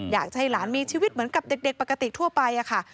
อยากจะให้หลานมีชีวิตเหมือนกับเด็กปกติทั่วไปค่ะ